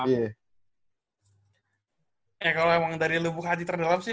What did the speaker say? ya kalau emang dari lubuk hati terdalam sih